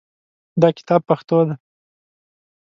دا کتاب پښتو دی